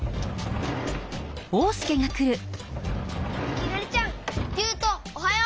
きなりちゃんゆうとおはよう！